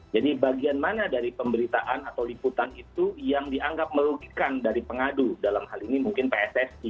jadi bagian mana dari pemberitaan atau liputan itu yang dianggap merugikan dari pengadu dalam hal ini mungkin pssi